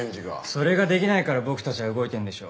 それができないから僕たちが動いてるんでしょ。